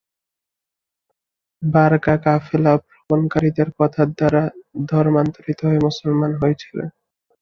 বারকা কাফেলা ভ্রমণকারীদের কথার দ্বারা ধর্মান্তরিত হয়ে মুসলমান হয়েছিলেন।